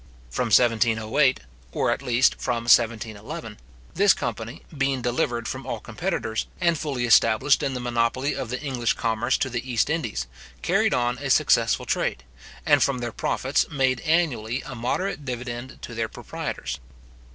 From 1708, or at least from 1711, this company, being delivered from all competitors, and fully established in the monopoly of the English commerce to the East Indies, carried on a successful trade, and from their profits, made annually a moderate dividend to their proprietors.